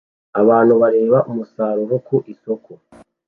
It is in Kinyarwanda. Abantu bareba umusaruro ku isoko